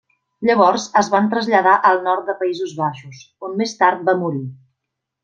Llavors es van traslladar al nord de Països Baixos, on més tard va morir.